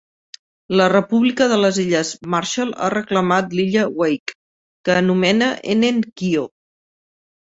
La República de les Illes Marshall ha reclamat l'illa de Wake, que anomena "Enen-Kio".